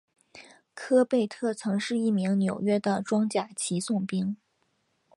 科贝特曾是一名纽约的装甲骑送兵。